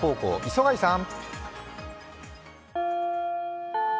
磯貝さん。